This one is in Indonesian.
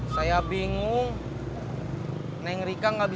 jatuh jatuhnya nebeng juga lo